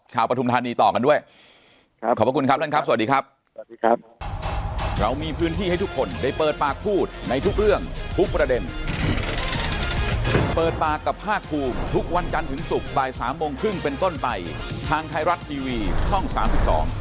ปฐุมธานีต่อกันด้วยครับขอบพระคุณครับท่านครับสวัสดีครับสวัสดีครับ